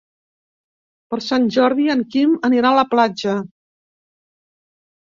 Per Sant Jordi en Quim anirà a la platja.